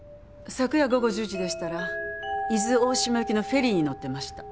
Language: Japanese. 昨夜午後１０時でしたら伊豆大島行きのフェリーに乗ってました。